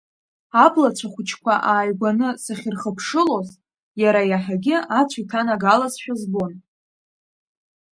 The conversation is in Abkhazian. Аблацәа хәыҷқәа ааигәаны сахьырхыԥшылоз, иара иаҳагьы ацәа иҭанагалазшәа збон.